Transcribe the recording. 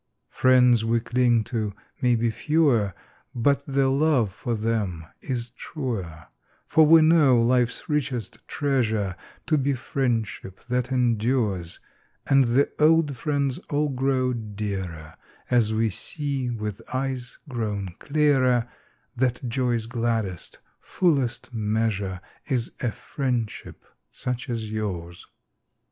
Is a F riends xv)e clinq to mau be fe^Oer, But the loOe jor them is truer; fbr \Oe know life s richest treasure To be friendship that em dures, And the old jriends all qroxO dearer & As vOe see \oith eues qro\On clearer That joq's gladdest, fullest measure ' Is a friendship such as Ljours.